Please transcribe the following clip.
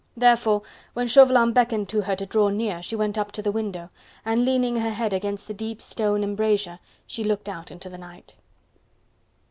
Therefore when Chauvelin beckoned to her to draw near, she went up to the window, and leaning her head against the deep stone embrasure, she looked out into the night.